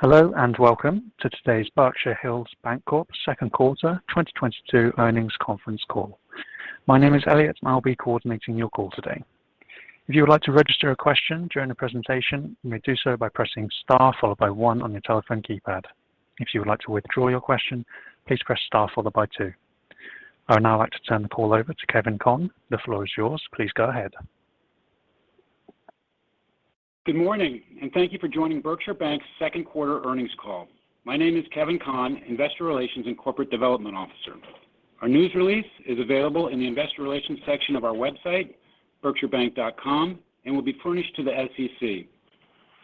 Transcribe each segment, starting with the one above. Hello and welcome to today's Berkshire Hills Bancorp second quarter 2022 earnings conference call. My name is Elliot, and I'll be coordinating your call today. If you would like to register a question during the presentation, you may do so by pressing star followed by one on your telephone keypad. If you would like to withdraw your question, please press star followed by two. I would now like to turn the call over to Kevin Conn. The floor is yours. Please go ahead. Good morning, and thank you for joining Berkshire Bank's second quarter earnings call. My name is Kevin Conn, Investor Relations and Corporate Development Officer. Our news release is available in the investor relations section of our website, berkshirebank.com, and will be furnished to the SEC.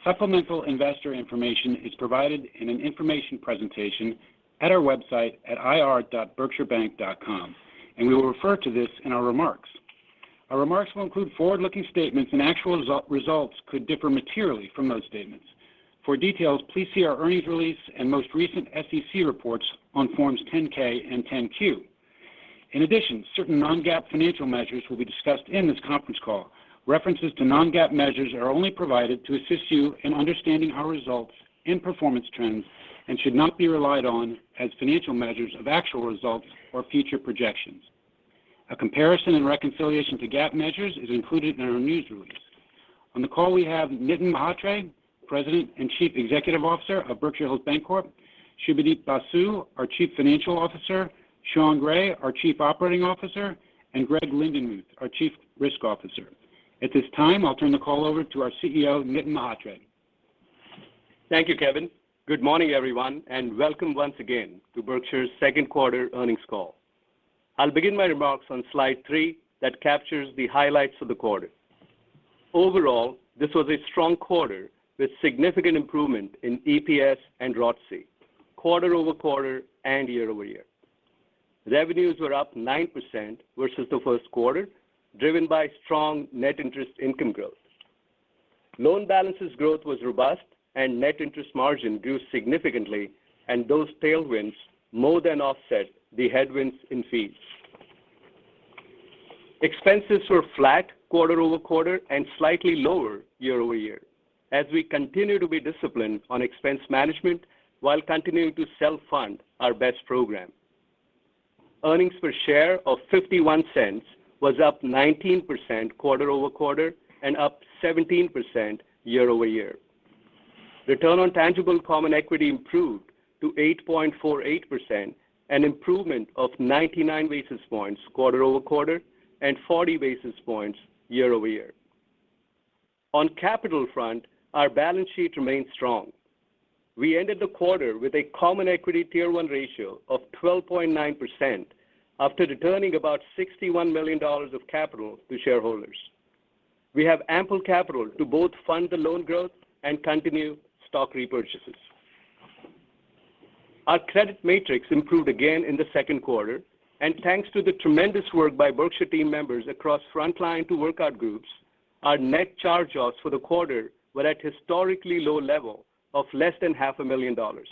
Supplemental investor information is provided in an information presentation at our website at ir.berkshirebank.com, and we will refer to this in our remarks. Our remarks will include forward-looking statements and actual results could differ materially from those statements. For details, please see our earnings release and most recent SEC reports on Form 10-K and Form 10-Q. In addition, certain non-GAAP financial measures will be discussed in this conference call. References to non-GAAP measures are only provided to assist you in understanding our results and performance trends and should not be relied on as financial measures of actual results or future projections. A comparison and reconciliation to GAAP measures is included in our news release. On the call we have Nitin Mhatre, President and Chief Executive Officer of Berkshire Hills Bancorp, Subhadeep Basu, our Chief Financial Officer, Sean Gray, our Chief Operating Officer, and Greg Lindenmuth, our Chief Risk Officer. At this time, I'll turn the call over to our CEO, Nitin Mhatre. Thank you, Kevin. Good morning, everyone, and welcome once again to Berkshire's second quarter earnings call. I'll begin my remarks on slide three that captures the highlights of the quarter. Overall, this was a strong quarter with significant improvement in EPS and ROTCE quarter-over-quarter and year-over-year. Revenues were up 9% versus the first quarter, driven by strong net interest income growth. Loan balances growth was robust and net interest margin grew significantly, and those tailwinds more than offset the headwinds in fees. Expenses were flat quarter-over-quarter and slightly lower year-over-year as we continue to be disciplined on expense management while continuing to self-fund our BEST program. Earnings per share of $0.51 was up 19% quarter-over-quarter and up 17% year-over-year. Return on tangible common equity improved to 8.48%, an improvement of 99 basis points quarter-over-quarter and 40 basis points year-over-year. On capital front, our balance sheet remained strong. We ended the quarter with a common equity Tier 1 ratio of 12.9% after returning about $61 million of capital to shareholders. We have ample capital to both fund the loan growth and continue stock repurchases. Our credit metrics improved again in the second quarter, and thanks to the tremendous work by Berkshire team members across frontline to workout groups, our net charge-offs for the quarter were at historically low level of less than $500,000.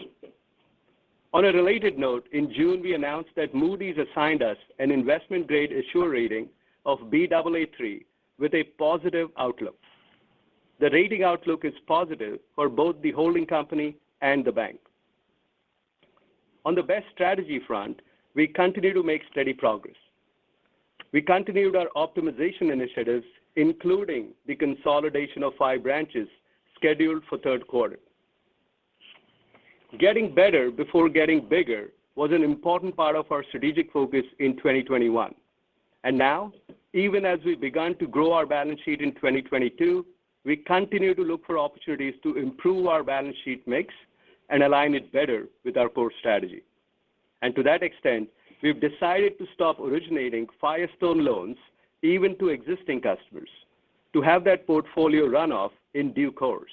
On a related note, in June, we announced that Moody's assigned us an investment-grade issuer rating of Baa3 with a positive outlook. The rating outlook is positive for both the holding company and the bank. On the BEST strategy front, we continue to make steady progress. We continued our optimization initiatives, including the consolidation of five branches scheduled for third quarter. Getting better before getting bigger was an important part of our strategic focus in 2021. Now, even as we've begun to grow our balance sheet in 2022, we continue to look for opportunities to improve our balance sheet mix and align it better with our core strategy. To that extent, we've decided to stop originating Firestone loans, even to existing customers, to have that portfolio run off in due course.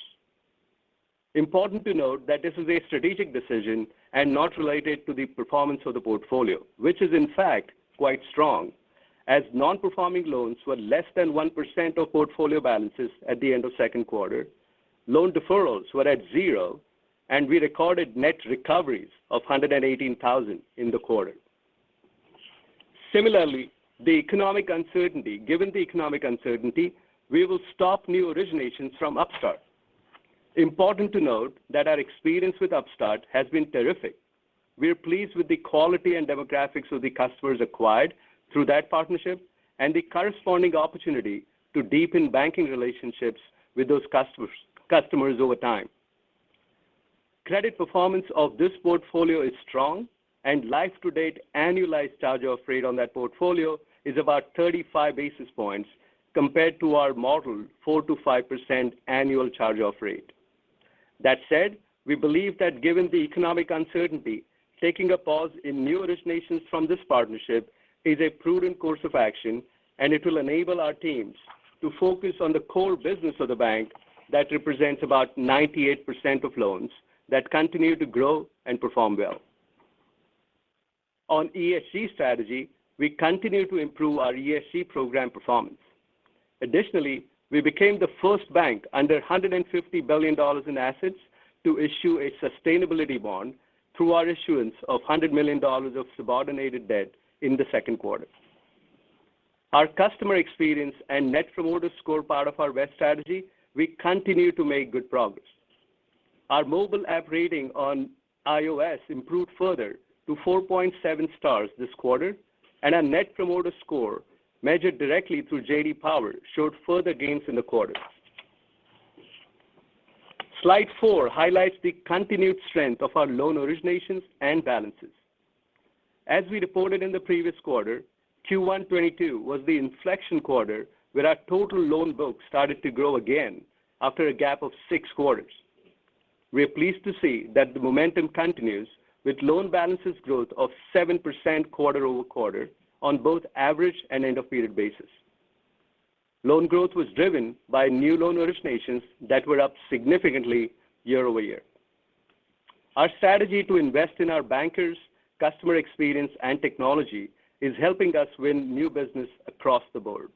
Important to note that this is a strategic decision and not related to the performance of the portfolio, which is in fact quite strong as non-performing loans were less than 1% of portfolio balances at the end of second quarter. Loan deferrals were at zero, and we recorded net recoveries of $118,000 in the quarter. Similarly, given the economic uncertainty, we will stop new originations from Upstart. Important to note that our experience with Upstart has been terrific. We are pleased with the quality and demographics of the customers acquired through that partnership and the corresponding opportunity to deepen banking relationships with those customers over time. Credit performance of this portfolio is strong and life-to-date annualized charge-off rate on that portfolio is about 35 basis points compared to our modeled 4%-5% annual charge-off rate. That said, we believe that given the economic uncertainty, taking a pause in new originations from this partnership is a prudent course of action, and it will enable our teams to focus on the core business of the bank that represents about 98% of loans that continue to grow and perform well. On ESG strategy, we continue to improve our ESG program performance. Additionally, we became the first bank under $150 billion in assets to issue a Sustainability Bond through our issuance of $100 million of subordinated debt in the second quarter. Our customer experience and net promoter score part of our web strategy, we continue to make good progress. Our mobile app rating on iOS improved further to 4.7 stars this quarter, and our Net Promoter Score measured directly through J.D. Power showed further gains in the quarter. Slide four highlights the continued strength of our loan originations and balances. As we reported in the previous quarter, Q1 2022 was the inflection quarter where our total loan book started to grow again after a gap of six quarters. We are pleased to see that the momentum continues with loan balances growth of 7% quarter-over-quarter on both average and end of period basis. Loan growth was driven by new loan originations that were up significantly year-over-year. Our strategy to invest in our bankers, customer experience and technology is helping us win new business across the board.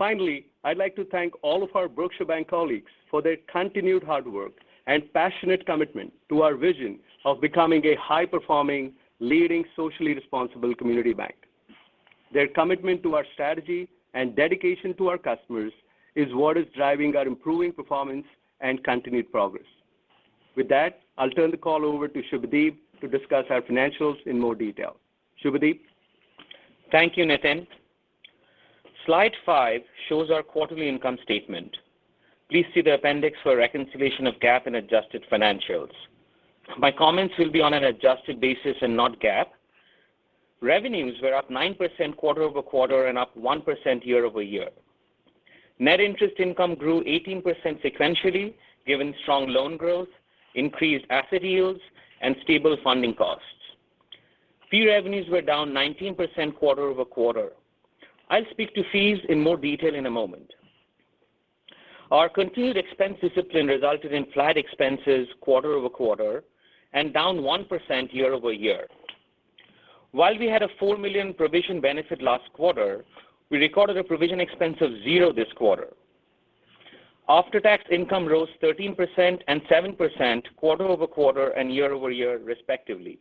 Finally, I'd like to thank all of our Berkshire Bank colleagues for their continued hard work and passionate commitment to our vision of becoming a high-performing, leading, socially responsible community bank. Their commitment to our strategy and dedication to our customers is what is driving our improving performance and continued progress. With that, I'll turn the call over to Subhadeep to discuss our financials in more detail. Subhadeep. Thank you, Nitin. Slide five shows our quarterly income statement. Please see the appendix for a reconciliation of GAAP and adjusted financials. My comments will be on an adjusted basis and not GAAP. Revenues were up 9% quarter-over-quarter and up 1% year-over-year. Net interest income grew 18% sequentially, given strong loan growth, increased asset yields, and stable funding costs. Fee revenues were down 19% quarter-over-quarter. I'll speak to fees in more detail in a moment. Our continued expense discipline resulted in flat expenses quarter-over-quarter and down 1% year-over-year. While we had a $4 million provision benefit last quarter, we recorded a provision expense of zero this quarter. After-tax income rose 13% and 7% quarter-over-quarter and year-over-year respectively.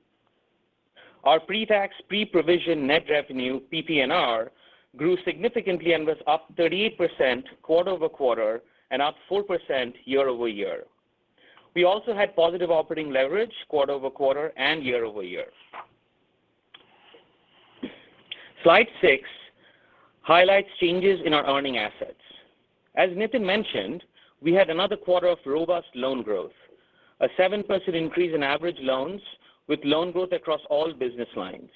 Our pre-tax, pre-provision net revenue, PPNR, grew significantly and was up 38% quarter-over-quarter and up 4% year-over-year. We also had positive operating leverage quarter-over-quarter and year-over-year. Slide six highlights changes in our earning assets. As Nitin mentioned, we had another quarter of robust loan growth. A 7% increase in average loans with loan growth across all business lines.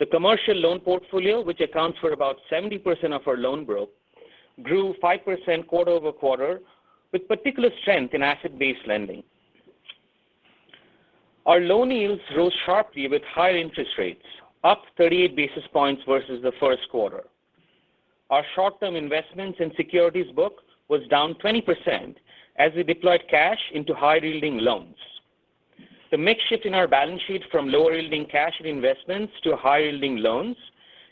The commercial loan portfolio, which accounts for about 70% of our loan book, grew 5% quarter-over-quarter with particular strength in asset-based lending. Our loan yields rose sharply with higher interest rates, up 38 basis points versus the first quarter. Our short-term investments and securities book was down 20% as we deployed cash into higher-yielding loans. The mix shift in our balance sheet from lower-yielding cash and investments to higher-yielding loans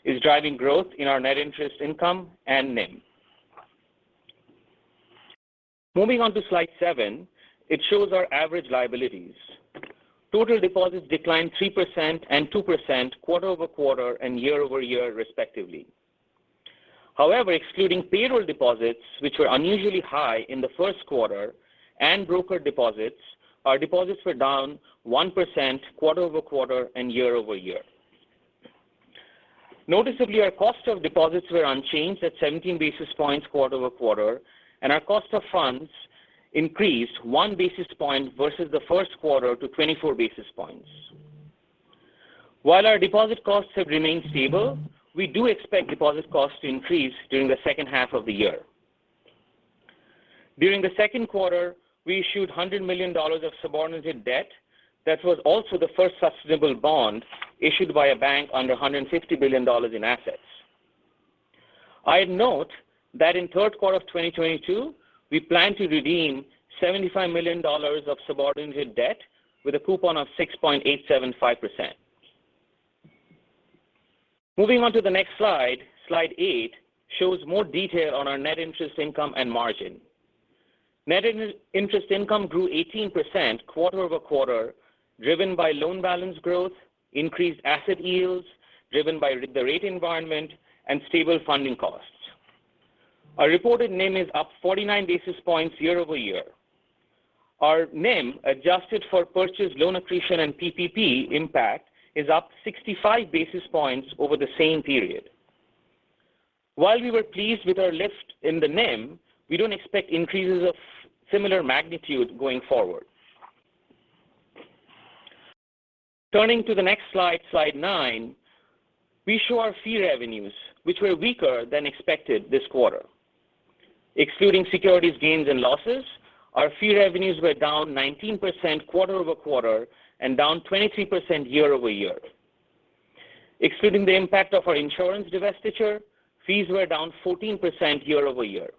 is driving growth in our net interest income and NIM. Moving on to slide seven, it shows our average liabilities. Total deposits declined 3% and 2% quarter-over-quarter and year-over-year respectively. However, excluding payroll deposits, which were unusually high in the first quarter and broker deposits, our deposits were down 1% quarter-over-quarter and year-over-year. Noticeably, our cost of deposits were unchanged at 17 basis points quarter-over-quarter, and our cost of funds increased 1 basis point versus the first quarter to 24 basis points. While our deposit costs have remained stable, we do expect deposit costs to increase during the second half of the year. During the second quarter, we issued $100 million of subordinated debt. That was also the first sustainable bond issued by a bank under $150 billion in assets. I'd note that in third quarter of 2022, we plan to redeem $75 million of subordinated debt with a coupon of 6.875%. Moving on to the next slide eight shows more detail on our net interest income and margin. Net interest income grew 18% quarter-over-quarter, driven by loan balance growth, increased asset yields driven by the rate environment, and stable funding costs. Our reported NIM is up 49 basis points year-over-year. Our NIM, adjusted for purchased loan accretion and PPP impact, is up 65 basis points over the same period. While we were pleased with our lift in the NIM, we don't expect increases of similar magnitude going forward. Turning to the next slide nine, we show our fee revenues, which were weaker than expected this quarter. Excluding securities gains and losses, our fee revenues were down 19% quarter-over-quarter and down 23% year-over-year. Excluding the impact of our insurance divestiture, fees were down 14% year-over-year.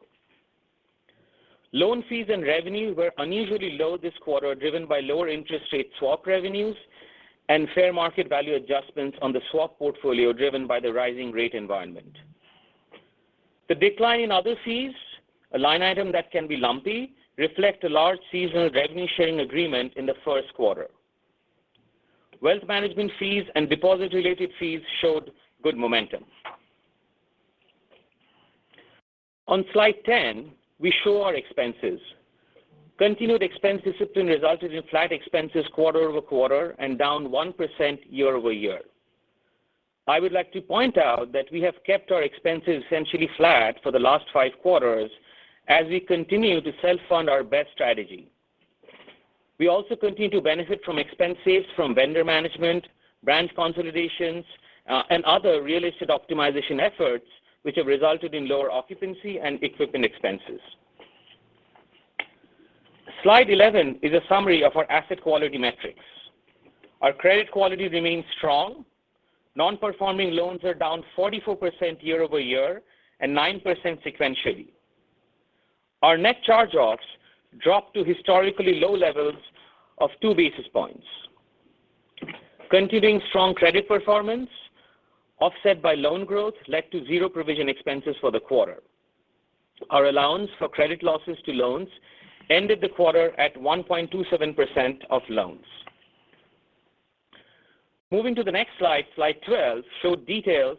Loan fees and revenues were unusually low this quarter, driven by lower interest rate swap revenues and fair market value adjustments on the swap portfolio driven by the rising rate environment. The decline in other fees, a line item that can be lumpy, reflect a large seasonal revenue sharing agreement in the first quarter. Wealth management fees and deposit related fees showed good momentum. On slide 10, we show our expenses. Continued expense discipline resulted in flat expenses quarter-over-quarter and down 1% year-over-year. I would like to point out that we have kept our expenses essentially flat for the last five quarters as we continue to self-fund our BEST strategy. We also continue to benefit from expense saves from vendor management, branch consolidations, and other real estate optimization efforts which have resulted in lower occupancy and equipment expenses. Slide 11 is a summary of our asset quality metrics. Our credit quality remains strong. Non-performing loans are down 44% year-over-year and 9% sequentially. Our net charge-offs dropped to historically low levels of 2 basis points. Continuing strong credit performance offset by loan growth led to zero provision expenses for the quarter. Our allowance for credit losses to loans ended the quarter at 1.27% of loans. Moving to the next slide 12, show details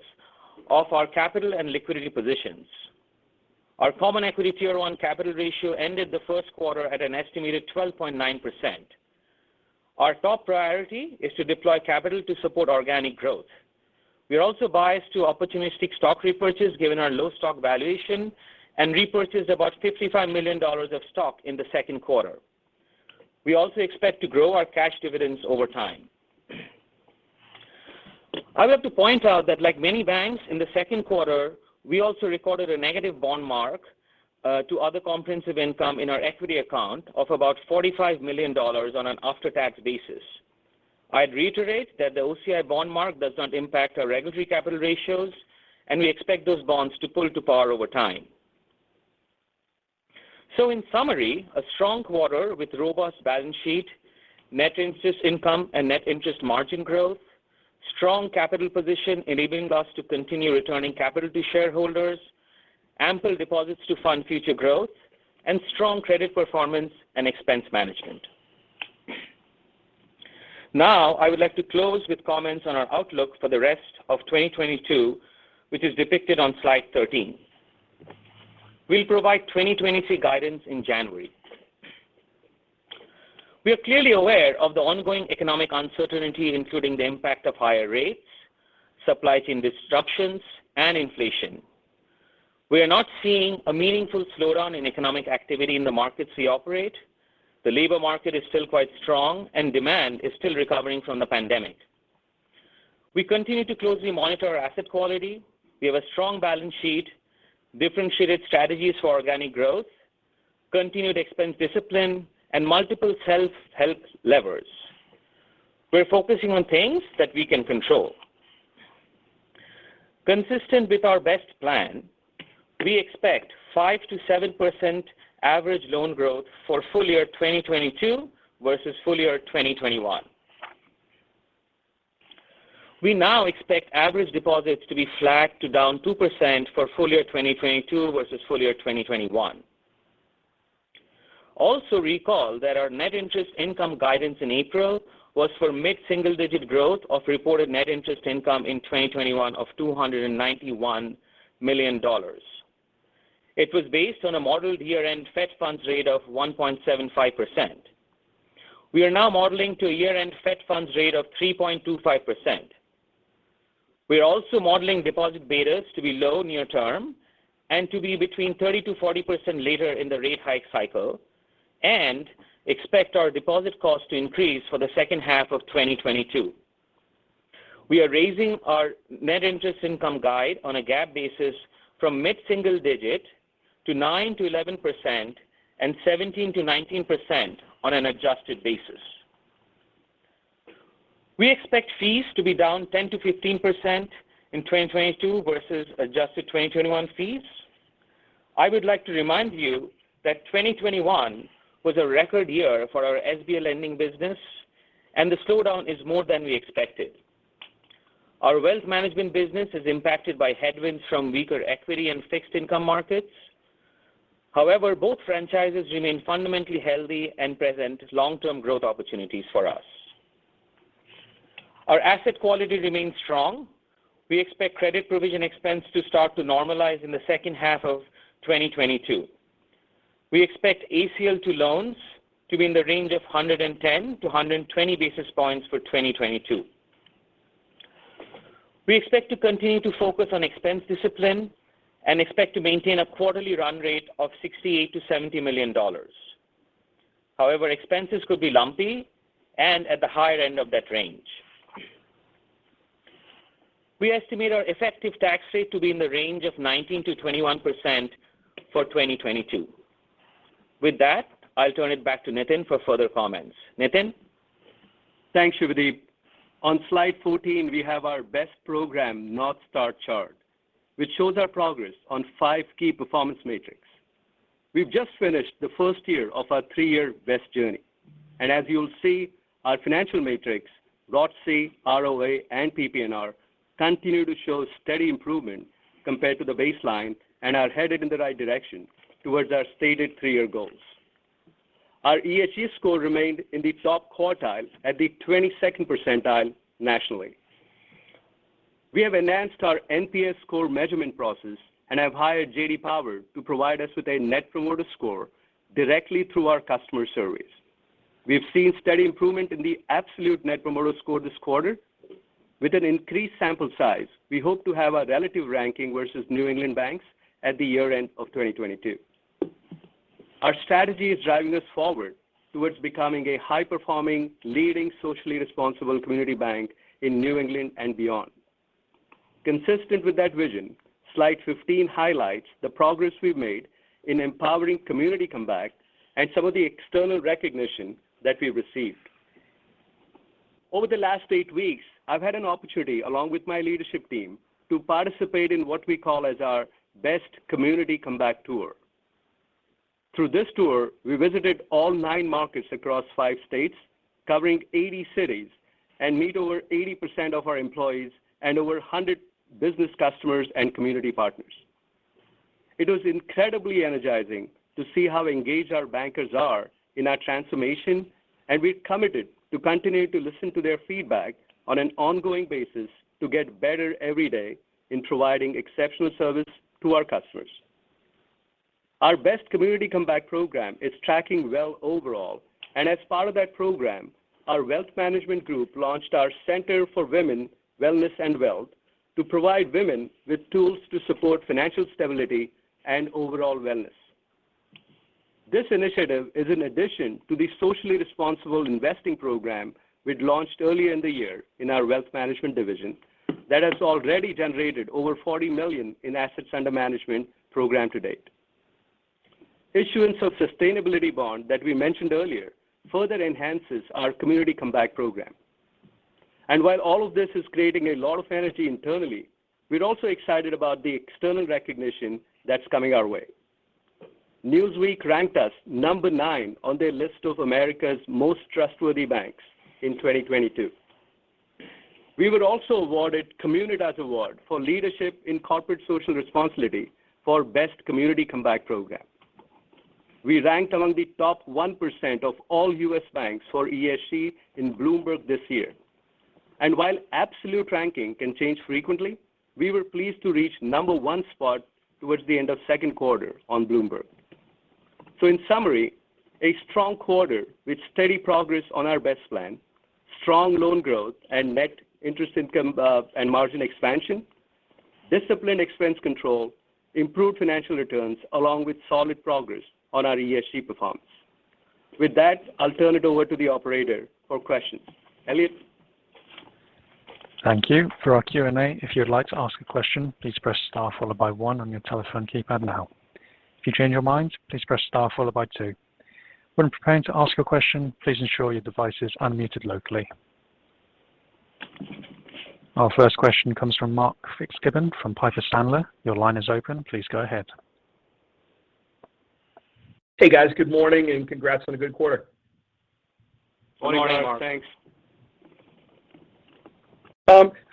of our capital and liquidity positions. Our common equity Tier 1 capital ratio ended the first quarter at an estimated 12.9%. Our top priority is to deploy capital to support organic growth. We are also biased to opportunistic stock repurchases given our low stock valuation and repurchased about $55 million of stock in the second quarter. We also expect to grow our cash dividends over time. I'd like to point out that like many banks in the second quarter, we also recorded a negative bond mark to other comprehensive income in our equity account of about $45 million on an after-tax basis. I'd reiterate that the OCI bond mark does not impact our regulatory capital ratios, and we expect those bonds to pull to par over time. In summary, a strong quarter with robust balance sheet, net interest income, and net interest margin growth, strong capital position enabling us to continue returning capital to shareholders, ample deposits to fund future growth, and strong credit performance and expense management. Now, I would like to close with comments on our outlook for the rest of 2022, which is depicted on slide 13. We'll provide 2023 guidance in January. We are clearly aware of the ongoing economic uncertainty, including the impact of higher rates, supply chain disruptions, and inflation. We are not seeing a meaningful slowdown in economic activity in the markets we operate. The labor market is still quite strong, and demand is still recovering from the pandemic. We continue to closely monitor our asset quality. We have a strong balance sheet, differentiated strategies for organic growth, continued expense discipline, and multiple self-help levers. We're focusing on things that we can control. Consistent with our BEST plan, we expect 5%-7% average loan growth for full year 2022 versus full year 2021. We now expect average deposits to be flat to down 2% for full year 2022 versus full year 2021. Also recall that our net interest income guidance in April was for mid-single-digit growth of reported net interest income in 2021 of $291 million. It was based on a modeled year-end federal funds rate of 1.75%. We are now modeling to a year-end federal funds rate of 3.25%. We are also modeling deposit betas to be low near term and to be between 30%-40% later in the rate hike cycle and expect our deposit cost to increase for the second half of 2022. We are raising our net interest income guide on a GAAP basis from mid-single digit to 9%-11% and 17%-19% on an adjusted basis. We expect fees to be down 10%-15% in 2022 versus adjusted 2021 fees. I would like to remind you that 2021 was a record year for our SBA lending business, and the slowdown is more than we expected. Our wealth management business is impacted by headwinds from weaker equity and fixed income markets. However, both franchises remain fundamentally healthy and present long-term growth opportunities for us. Our asset quality remains strong. We expect credit provision expense to start to normalize in the second half of 2022. We expect ACL to loans to be in the range of 110-120 basis points for 2022. We expect to continue to focus on expense discipline and expect to maintain a quarterly run rate of $68 million-$70 million. However, expenses could be lumpy and at the higher end of that range. We estimate our effective tax rate to be in the range of 19%-21% for 2022. With that, I'll turn it back to Nitin for further comments. Nitin. Thanks, Subhadeep. On slide 14, we have our BEST program North Star chart, which shows our progress on five key performance metrics. We've just finished the first year of our three-year BEST journey. As you'll see, our financial metrics, ROTCE, ROA, and PPNR continue to show steady improvement compared to the baseline and are headed in the right direction towards our stated three-year goals. Our ESG score remained in the top quartile at the 22nd percentile nationally. We have enhanced our NPS score measurement process and have hired J.D. Power to provide us with a net promoter score directly through our customer service. We've seen steady improvement in the absolute net promoter score this quarter. With an increased sample size, we hope to have a relative ranking versus New England banks at the year-end of 2022. Our strategy is driving us forward towards becoming a high-performing, leading, socially responsible community bank in New England and beyond. Consistent with that vision, slide 15 highlights the progress we've made in empowering Community Comeback and some of the external recognition that we received. Over the last eight weeks, I've had an opportunity along with my leadership team to participate in what we call as our BEST Community Comeback tour. Through this tour, we visited all nine markets across five states, covering 80 cities, and meet over 80% of our employees and over 100 business customers and community partners. It was incredibly energizing to see how engaged our bankers are in our transformation, and we're committed to continue to listen to their feedback on an ongoing basis to get better every day in providing exceptional service to our customers. Our BEST Community Comeback program is tracking well overall. As part of that program, our wealth management group launched our Center for Women, Wellness & Wealth to provide women with tools to support financial stability and overall wellness. This initiative is in addition to the socially responsible investing program we'd launched earlier in the year in our wealth management division that has already generated over $40 million in assets under management to date. Issuance of Sustainability Bond that we mentioned earlier further enhances our BEST Community Comeback program. While all of this is creating a lot of energy internally, we're also excited about the external recognition that's coming our way. Newsweek ranked us number nine on their list of America's most trustworthy banks in 2022. We were also awarded Communitas Award for Leadership in Corporate Social Responsibility for BEST Community Comeback program. We ranked among the top 1% of all U.S. banks for ESG in Bloomberg this year. While absolute ranking can change frequently, we were pleased to reach number-one spot towards the end of second quarter on Bloomberg. In summary, a strong quarter with steady progress on our BEST plan, strong loan growth and net interest income, and margin expansion, disciplined expense control, improved financial returns along with solid progress on our ESG performance. With that, I'll turn it over to the operator for questions. Elliot? Thank you. For our Q&A, if you'd like to ask a question, please press star followed by one on your telephone keypad now. If you change your mind, please press star followed by two. When preparing to ask a question, please ensure your device is unmuted locally. Our first question comes from Mark Fitzgibbon from Piper Sandler. Your line is open. Please go ahead. Hey, guys. Good morning, and congrats on a good quarter. Good morning, Mark. Good morning. Thanks.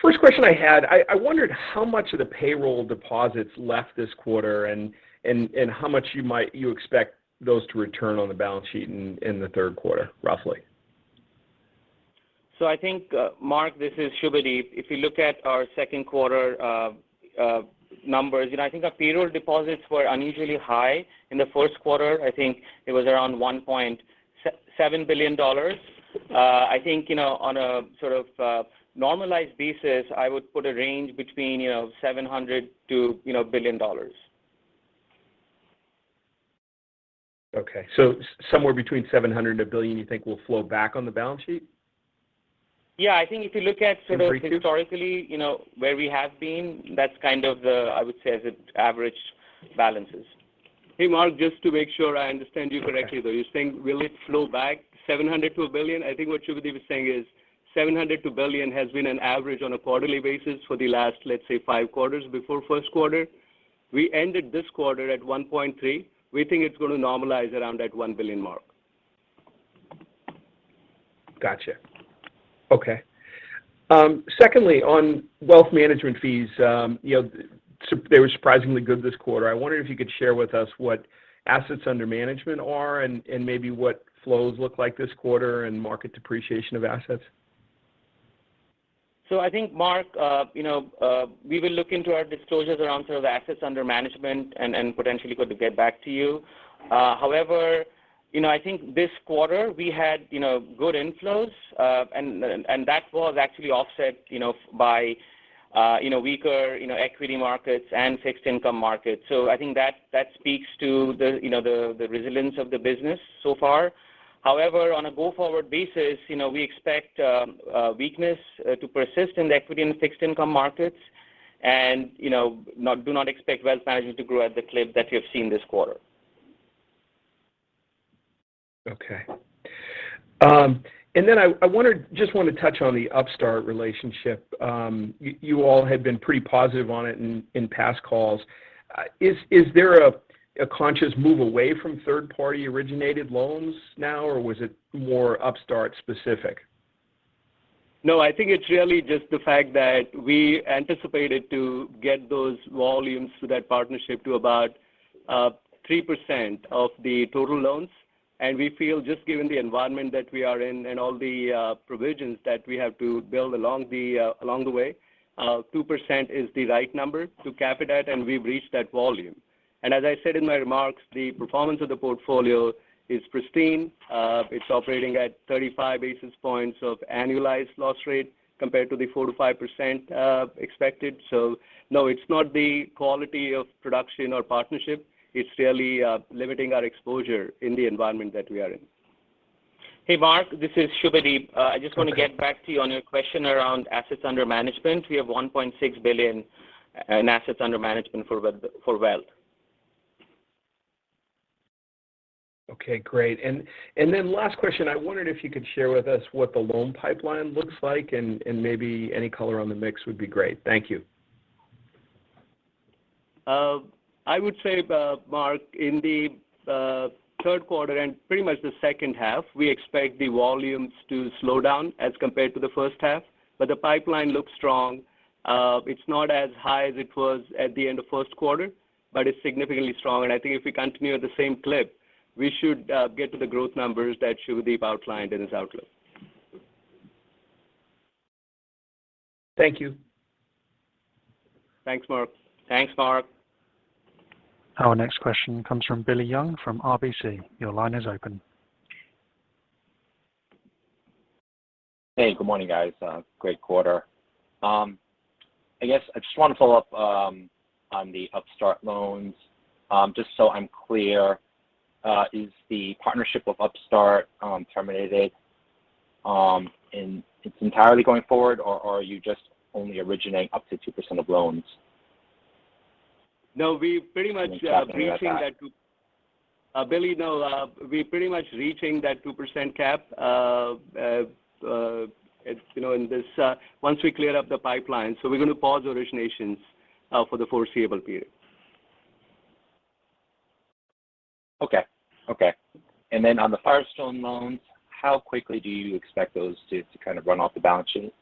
First question I had, I wondered how much of the payroll deposits left this quarter and how much you expect those to return on the balance sheet in the third quarter, roughly? I think, Mark, this is Subhadeep. If you look at our second quarter numbers, you know, I think our payroll deposits were unusually high. In the first quarter, I think it was around $1.7 billion. I think, you know, on a sort of normalized basis, I would put a range between, you know, $700 million-$1 billion. Okay. Somewhere between $700 million and $1 billion you think will flow back on the balance sheet? Yeah. I think if you look at sort of. In Q3, Q4? Historically, you know, where we have been, that's kind of the, I would say is the average balances. Hey, Mark, just to make sure I understand you correctly, though. Okay. You're saying will it flow back $700 million to $1 billion? I think what Subhadeep is saying is $700 million-$1 billion has been an average on a quarterly basis for the last, let's say, five quarters before first quarter. We ended this quarter at $1.3 billion. We think it's going to normalize around that $1 billion mark. Gotcha. Okay. Secondly, on wealth management fees, you know, they were surprisingly good this quarter. I wondered if you could share with us what assets under management are and maybe what flows look like this quarter and market depreciation of assets. I think, Mark, you know, we will look into our disclosures around sort of assets under management and potentially could get back to you. However, you know, I think this quarter we had, you know, good inflows and that was actually offset, you know, by, you know, weaker, you know, equity markets and fixed income markets. I think that speaks to the, you know, the resilience of the business so far. However, on a go-forward basis, you know, we expect weakness to persist in the equity and fixed income markets and, you know, do not expect wealth management to grow at the clip that we have seen this quarter. Okay. I just want to touch on the Upstart relationship. You all had been pretty positive on it in past calls. Is there a conscious move away from third-party originated loans now, or was it more Upstart specific? No, I think it's really just the fact that we anticipated to get those volumes through that partnership to about 3% of the total loans. We feel just given the environment that we are in and all the provisions that we have to build along the way, 2% is the right number to cap it at, and we've reached that volume. As I said in my remarks, the performance of the portfolio is pristine. It's operating at 35 basis points of annualized loss rate compared to the 4%-5% expected. No, it's not the quality of production or partnership. It's really limiting our exposure in the environment that we are in. Hey, Mark, this is Subhadeep. I just want to get back to you on your question around assets under management. We have $1.6 billion in assets under management for wealth. Okay, great. Last question. I wondered if you could share with us what the loan pipeline looks like and maybe any color on the mix would be great. Thank you. I would say, Mark, in the third quarter and pretty much the second half, we expect the volumes to slow down as compared to the first half. The pipeline looks strong. It's not as high as it was at the end of first quarter, but it's significantly strong. I think if we continue at the same clip, we should get to the growth numbers that Subhadeep outlined in his outlook. Thank you. Thanks, Mark. Thanks, Mark. Our next question comes from Bill Young from RBC. Your line is open. Hey, good morning, guys. Great quarter. I guess I just want to follow up on the Upstart loans. Just so I'm clear, is the partnership with Upstart terminated in its entirety going forward, or are you just only originating up to 2% of loans? No, we pretty much. Can you talk a bit about that? Bill, no. We're pretty much reaching that 2% cap. It's, you know, in this. Once we clear up the pipeline. We're going to pause originations for the foreseeable period. Okay. On the Firestone loans, how quickly do you expect those to kind of run off the balance sheet?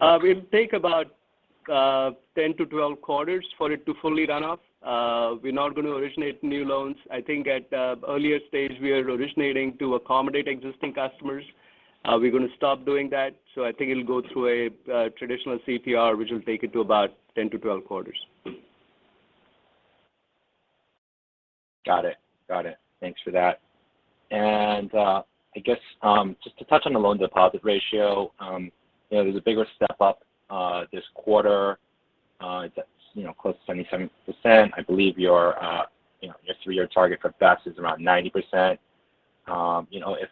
It'll take about 10-12 quarters for it to fully run off. We're not going to originate new loans. I think at the earlier stage, we are originating to accommodate existing customers. We're going to stop doing that. I think it'll go through a traditional CPR, which will take it to about 10-12 quarters. Got it. Thanks for that. I guess just to touch on the loan deposit ratio, you know, there's a bigger step up this quarter. It's at, you know, close to 77%. I believe your, you know, your three-year target for BEST is around 90%. You know, if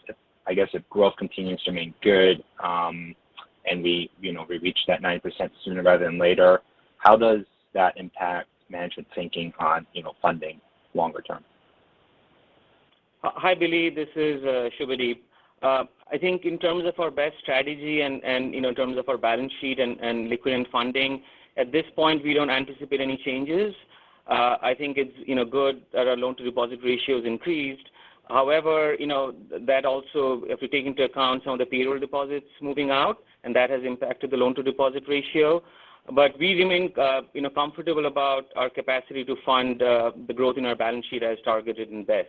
I guess if growth continues to remain good, and we, you know, we reach that 9% sooner rather than later, how does that impact management thinking on, you know, funding longer term? Hi, Billy. This is Subhadeep. I think in terms of our BEST strategy and you know in terms of our balance sheet and liquidity and funding, at this point, we don't anticipate any changes. I think it's you know good that our loan to deposit ratio has increased. However, you know that also if we take into account some of the payroll deposits moving out, and that has impacted the loan to deposit ratio. We remain you know comfortable about our capacity to fund the growth in our balance sheet as targeted in BEST.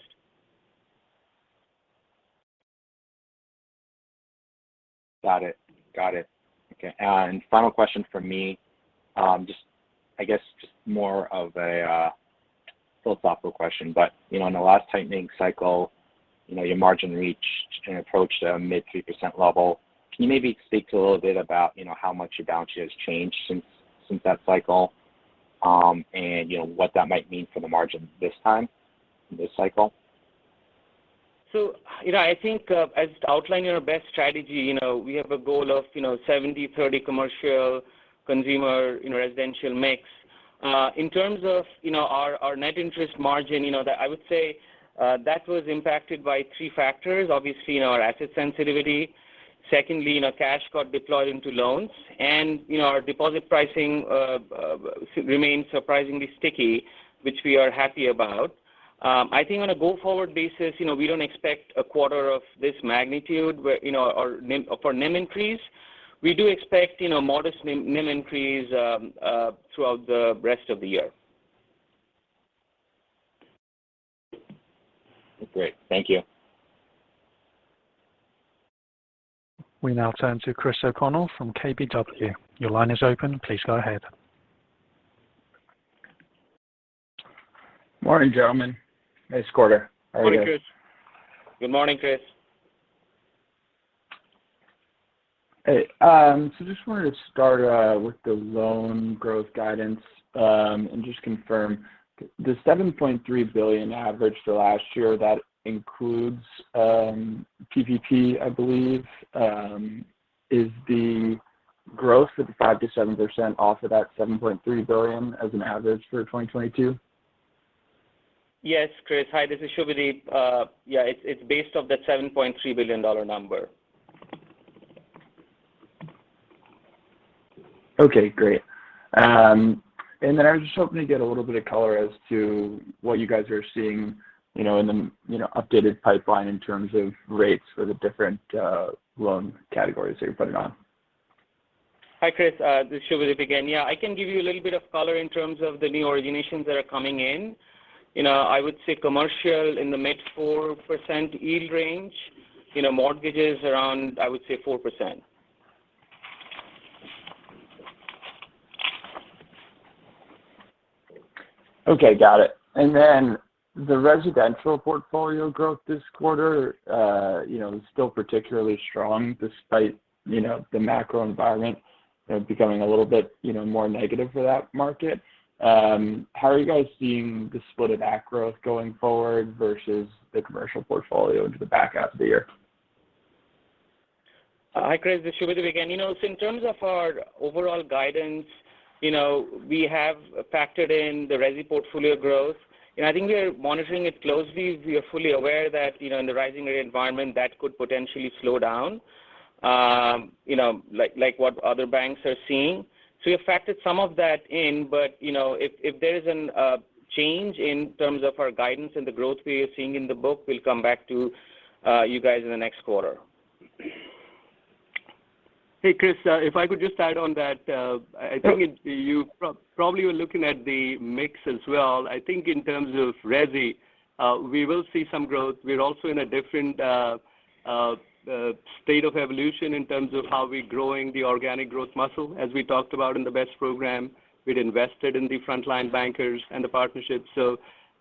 Got it. Okay. Final question from me, just I guess more of a philosophical question, but you know, in the last tightening cycle, you know, your margin reached and approached a mid-3% level. Can you maybe speak a little bit about, you know, how much your balance sheet has changed since that cycle? You know, what that might mean for the margin this time in this cycle? You know, I think, as outlined in our BEST strategy, you know, we have a goal of, you know, 70/30 commercial consumer, you know, residential mix. In terms of, you know, our net interest margin, you know, that I would say, that was impacted by three factors. Obviously, you know, our asset sensitivity. Secondly, you know, cash got deployed into loans. You know, our deposit pricing remained surprisingly sticky, which we are happy about. I think on a go-forward basis, you know, we don't expect a quarter of this magnitude where, you know, our NIM increase. We do expect, you know, modest NIM increase throughout the rest of the year. Great. Thank you. We now turn to Chris O'Connell from KBW. Your line is open. Please go ahead. Morning, gentlemen. Nice quarter. How are you guys? Morning, Chris. Good morning, Chris. Hey, just wanted to start with the loan growth guidance and just confirm the $7.3 billion average for last year that includes PPP, I believe, is the growth of the 5%-7% off of that $7.3 billion as an average for 2022? Yes, Chris. Hi, this is Subhadeep. Yeah, it's based off that $7.3 billion number. Okay, great. I was just hoping to get a little bit of color as to what you guys are seeing, you know, in the updated pipeline in terms of rates for the different loan categories that you're putting on? Hi, Chris. This is Subhadeep again. Yeah, I can give you a little bit of color in terms of the new originations that are coming in. You know, I would say commercial in the mid-4% yield range. You know, mortgages around, I would say 4%. Okay. Got it. The residential portfolio growth this quarter, you know, is still particularly strong despite, you know, the macro environment, you know, becoming a little bit, you know, more negative for that market. How are you guys seeing the split of that growth going forward versus the commercial portfolio into the back half of the year? Hi, Chris. This is Subhadeep again. You know, in terms of our overall guidance, you know, we have factored in the resi portfolio growth. You know, I think we are monitoring it closely. We are fully aware that, you know, in the rising rate environment, that could potentially slow down, you know, like what other banks are seeing. We have factored some of that in, but, you know, if there is a change in terms of our guidance and the growth we are seeing in the book, we'll come back to you guys in the next quarter. Hey, Chris, if I could just add on that. I think. Sure. You probably were looking at the mix as well. I think in terms of resi, we will see some growth. We're also in a different state of evolution in terms of how we're growing the organic growth muscle, as we talked about in the BEST program. We'd invested in the frontline bankers and the partnerships.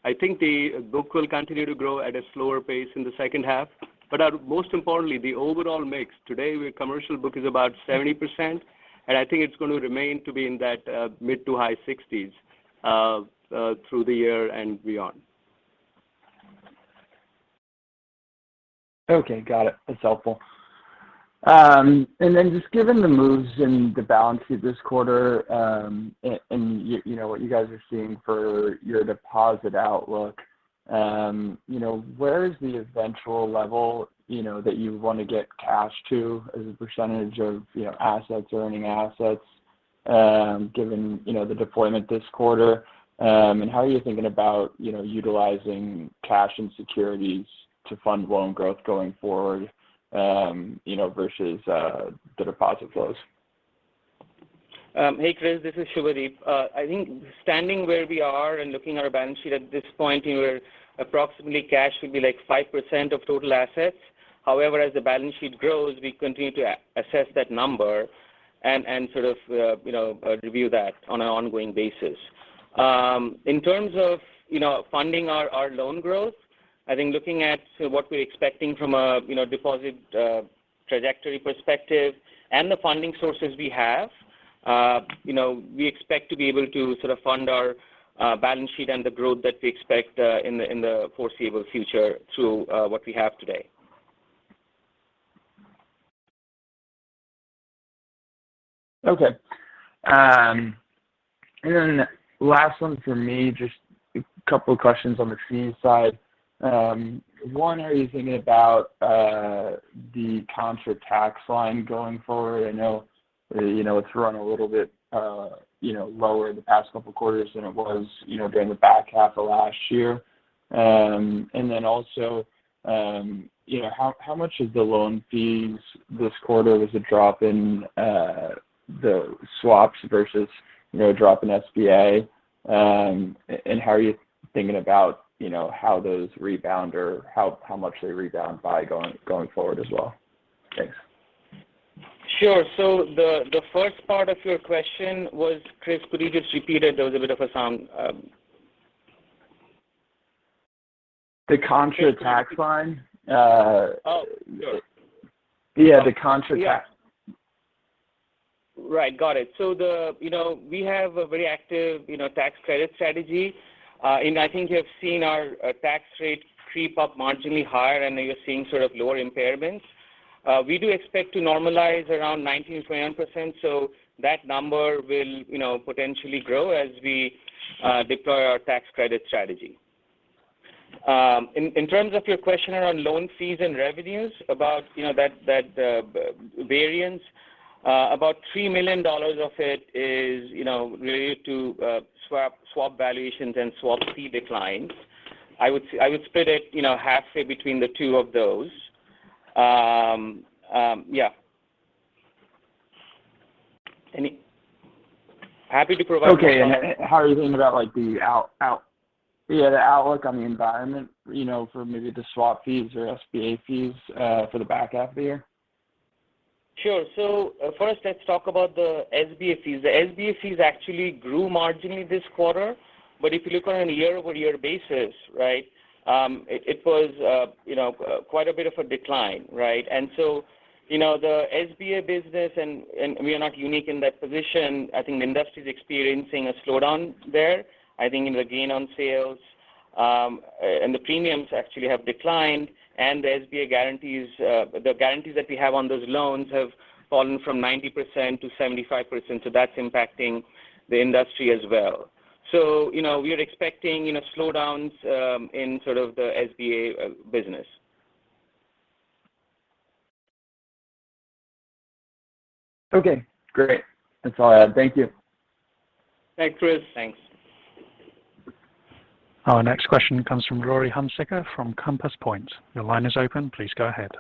I think the book will continue to grow at a slower pace in the second half. But most importantly, the overall mix. Today, our commercial book is about 70%, and I think it's gonna remain to be in that mid- to high 60s% through the year and beyond. Okay. Got it. That's helpful. Just given the moves in the balance sheet this quarter, and you know what you guys are seeing for your deposit outlook, you know, where is the eventual level, you know, that you wanna get cash to as a percentage of, you know, assets or earning assets, given, you know, the deployment this quarter? How are you thinking about, you know, utilizing cash and securities to fund loan growth going forward, you know, versus the deposit flows? Hey, Chris, this is Subhadeep. I think standing where we are and looking at our balance sheet at this point, you know, approximately cash would be, like, 5% of total assets. However, as the balance sheet grows, we continue to assess that number and sort of, you know, review that on an ongoing basis. In terms of, you know, funding our loan growth, I think looking at what we're expecting from a, you know, deposit trajectory perspective and the funding sources we have, you know, we expect to be able to sort of fund our balance sheet and the growth that we expect in the foreseeable future through what we have today. Okay. Last one from me, just a couple questions on the fees side. One, are you thinking about the contra tax line going forward? I know, you know, it's run a little bit, you know, lower the past couple quarters than it was, you know, during the back half of last year. Also, you know, how much of the loan fees this quarter was a drop in the swaps versus, you know, a drop in SBA? How are you thinking about, you know, how those rebound or how much they rebound by going forward as well? Thanks. Sure. The first part of your question was, Chris, could you just repeat it? There was a bit of a sound. The contra tax line. Oh, sure. Yeah, the contra tax. You know, we have a very active, you know, tax credit strategy. I think you have seen our tax rate creep up marginally higher, and now you're seeing sort of lower impairments. We do expect to normalize around 19%-20%, so that number will, you know, potentially grow as we deploy our tax credit strategy. In terms of your question around loan fees and revenues, about that variance, about $3 million of it is, you know, related to swap valuations and swap fee declines. I would split it, you know, halfway between the two of those. Happy to provide. Okay. How are you thinking about, like, the outlook on the environment, you know, for maybe the swap fees or SBA fees, for the back half of the year? Sure. First, let's talk about the SBA fees. The SBA fees actually grew marginally this quarter, but if you look on a year-over-year basis, right, it was, you know, quite a bit of a decline, right? You know, the SBA business and we are not unique in that position. I think the industry is experiencing a slowdown there. I think in the gain on sales The premiums actually have declined and the SBA guarantees, the guarantees that we have on those loans have fallen from 90%-75%. That's impacting the industry as well. You know, we are expecting, you know, slowdowns in sort of the SBA business. Okay, great. That's all I have. Thank you. Thanks, Chris. Thanks. Our next question comes from Laurie Hunsicker from Compass Point. Your line is open. Please go ahead.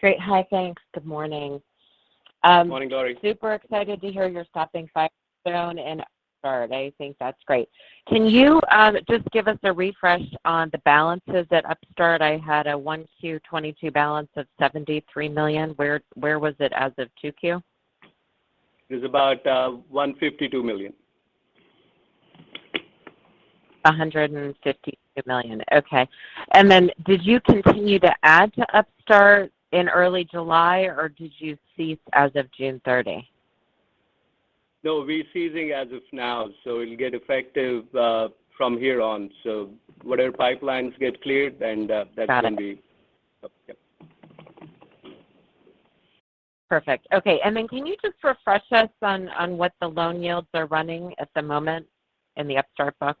Great. Hi, thanks. Good morning. Morning, Laurie. Super excited to hear you're stopping Firestone Financial and Upstart. I think that's great. Can you just give us a refresh on the balances at Upstart? I had a 1Q 2022 balance of $73 million. Where was it as of 2Q? It was about $152 million. $152 million. Okay. Did you continue to add to Upstart in early July, or did you cease as of June 30? No, we're ceasing as of now, so it'll get effective, from here on. Whatever pipelines get cleared, then, that's when we. Got it. Okay. Perfect. Okay. Can you just refresh us on what the loan yields are running at the moment in the Upstart book?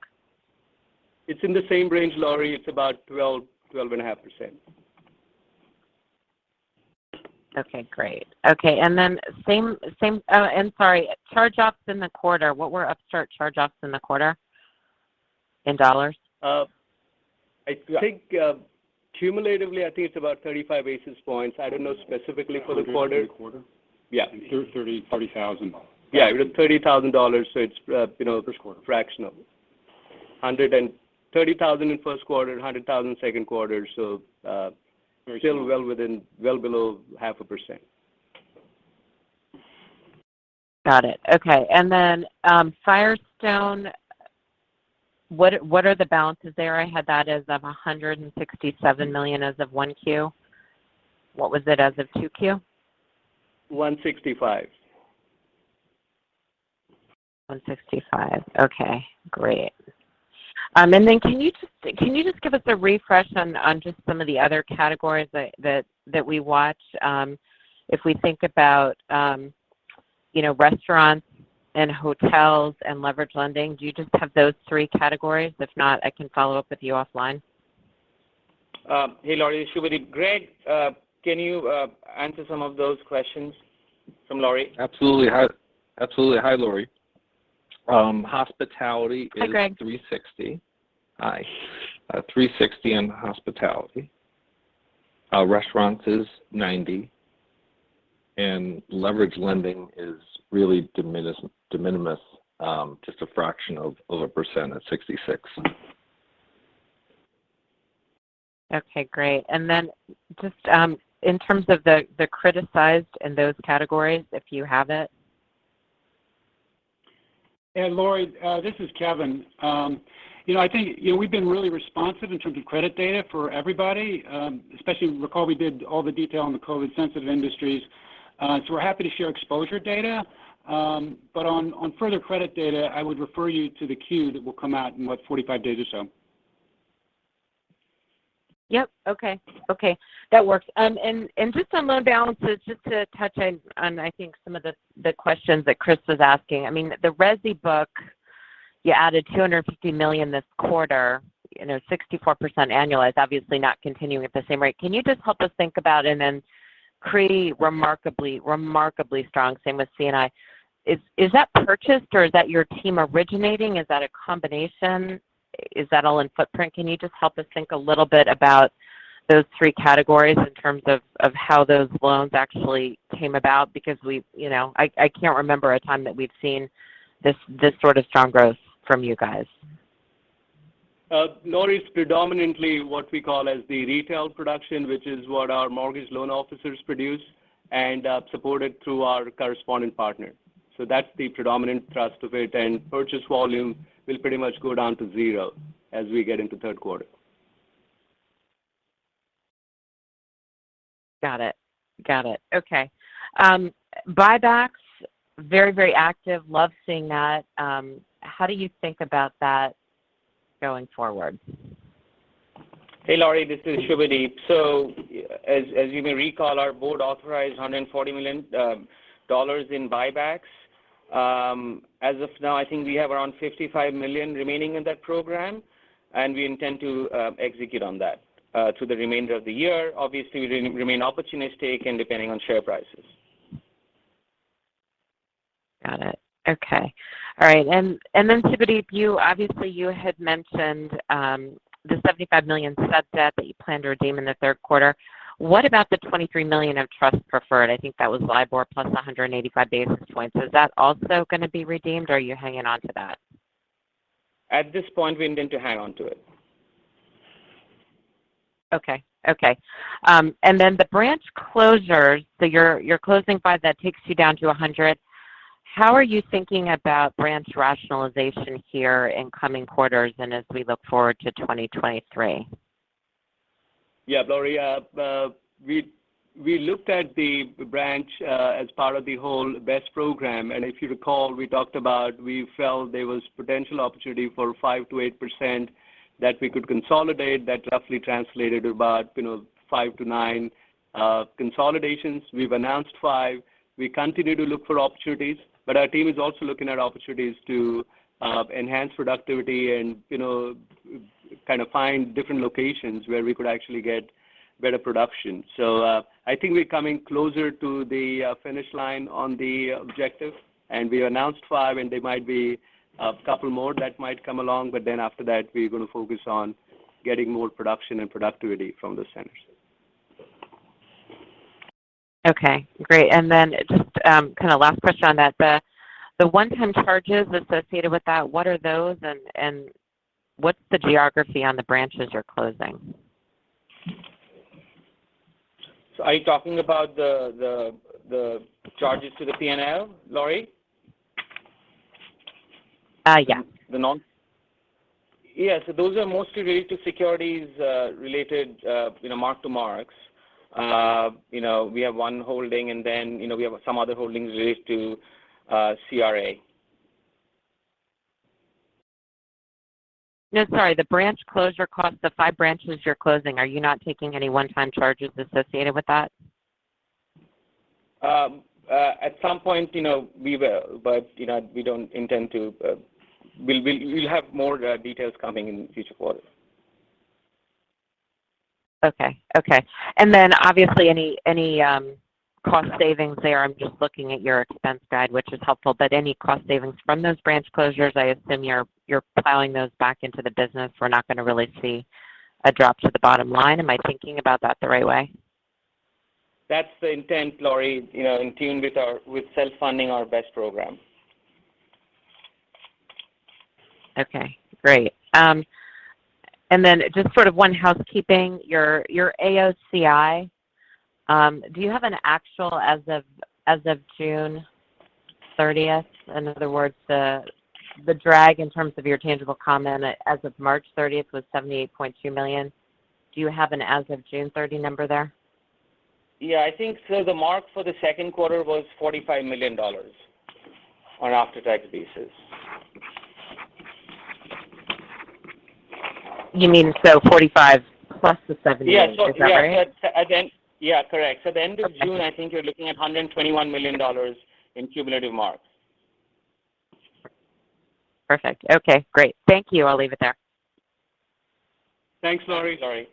It's in the same range, Laurie. It's about 12%-12.5%. Okay, great. Okay, and then same. Oh, and sorry, charge-offs in the quarter. What were Upstart charge-offs in the quarter in dollars? I think, cumulatively, I think it's about 35 basis points. I don't know specifically for the quarter. 130 quarter? Yeah. $30,000. Yeah, it was $30,000, so it's, you know. First quarter- ...fractional. $130,000 in first quarter, $100,000 second quarter. Still well within, well below 0.5%. Got it. Okay. Firestone, what are the balances there? I had that as $167 million as of 1Q. What was it as of 2Q? 165. 165. Okay, great. Then can you just give us a refresh on just some of the other categories that we watch? If we think about, you know, restaurants and hotels and leveraged lending, do you just have those three categories? If not, I can follow up with you offline. Hey, Laurie, it's Subhadeep. Greg, can you answer some of those questions from Laurie? Hi, Laurie. Hi, Greg. $360 high. $360 in hospitality. Restaurants is $90, and leveraged lending is really de minimis, just a fraction of a litlle percent at $66. Okay, great. Just in terms of the criticized in those categories, if you have it. Laurie, this is Kevin. You know, I think, you know, we've been really responsive in terms of credit data for everybody, especially recall we did all the detail on the COVID sensitive industries. So we're happy to share exposure data. But on further credit data, I would refer you to the Q that will come out in, what, 45 days or so. Yep. Okay. That works. And just on loan balances, just to touch on, I think some of the questions that Chris was asking. I mean, the resi book, you added $250 million this quarter, you know, 64% annualized, obviously not continuing at the same rate. Can you just help us think about it? Then pretty remarkably strong, same with C&I. Is that purchased or is that your team originating? Is that a combination? Is that all in footprint? Can you just help us think a little bit about those three categories in terms of how those loans actually came about? Because we've you know, I can't remember a time that we've seen this sort of strong growth from you guys. Laurie, it's predominantly what we call as the retail production, which is what our mortgage loan officers produce and supported through our correspondent partner. That's the predominant thrust of it, and purchase volume will pretty much go down to zero as we get into third quarter. Got it. Okay. Buybacks very, very active. Love seeing that. How do you think about that going forward? Hey, Laurie, this is Subhadeep. As you may recall, our board authorized $140 million in buybacks. As of now, I think we have around $55 million remaining in that program, and we intend to execute on that through the remainder of the year. Obviously, we remain opportunistic and depending on share prices. Got it. Okay. All right. Subhadeep, you obviously had mentioned the $75 million sub debt that you plan to redeem in the third quarter. What about the $23 million of trust preferred? I think that was LIBOR plus 185 basis points. Is that also gonna be redeemed, or are you hanging on to that? At this point, we intend to hang on to it. The branch closures. You're closing 5 that takes you down to 100. How are you thinking about branch rationalization here in coming quarters and as we look forward to 2023? Yeah, Laurie, we looked at the branch as part of the whole BEST program. If you recall, we talked about we felt there was potential opportunity for 5%-8% that we could consolidate. That roughly translated to about, you know, five to nine consolidations. We've announced five. We continue to look for opportunities, but our team is also looking at opportunities to enhance productivity and, you know, kind of find different locations where we could actually get better production. I think we're coming closer to the finish line on the objective, and we announced five, and there might be a couple more that might come along, but then after that, we're gonna focus on getting more production and productivity from the centers. Okay, great. Just kinda last question on that. The one-time charges associated with that, what are those, and what's the geography on the branches you're closing? Are you talking about the charges to the P&L, Laurie? Yeah. Those are mostly related to securities, you know, mark-to-market. You know, we have one holding, and then, you know, we have some other holdings related to CRA. No, sorry. The branch closure cost, the five branches you're closing, are you not taking any one-time charges associated with that? At some point, you know, we will, but, you know, we don't intend to. We'll have more details coming in future quarters. Okay. Obviously any cost savings there, I'm just looking at your expense guide, which is helpful, but any cost savings from those branch closures, I assume you're plowing those back into the business. We're not gonna really see a drop to the bottom line. Am I thinking about that the right way? That's the intent, Laurie, you know, in tune with self-funding our BEST program. Okay, great. Just sort of one housekeeping, your AOCI, do you have an actual as of June 30th? In other words, the drag in terms of your tangible common as of March 30th was $78.2 million. Do you have an as of June 30 number there? Yeah. I think the mark for the second quarter was $45 million on after-tax basis. You mean, so 45 plus the 78. Is that right? Yeah. Correct. The end of June. Okay. I think you're looking at $121 million in cumulative marks. Perfect. Okay, great. Thank you. I'll leave it there. Thanks, Laurie. Thanks, Laurie.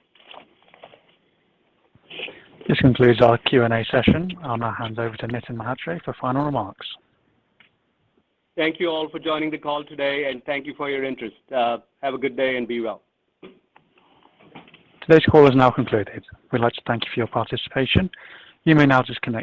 This concludes our Q&A session. I'll now hand over to Nitin Mhatre for final remarks. Thank you all for joining the call today, and thank you for your interest. Have a good day and be well. Today's call is now concluded. We'd like to thank you for your participation. You may now disconnect.